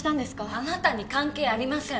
あなたに関係ありません